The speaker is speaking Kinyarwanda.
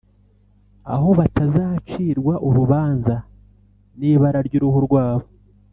aho batazacirwa urubanza nibara ryuruhu rwabo